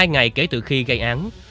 một mươi hai ngày kể từ khi gây án